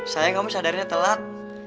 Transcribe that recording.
sayang kamu sadarinya telat